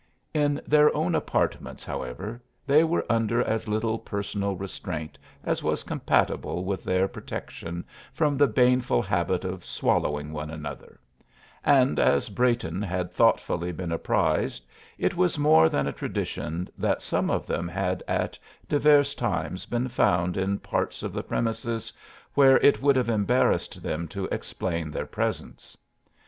In their own apartments, however, they were under as little personal restraint as was compatible with their protection from the baneful habit of swallowing one another; and, as Brayton had thoughtfully been apprised, it was more than a tradition that some of them had at divers times been found in parts of the premises where it would have embarrassed them to explain their presence.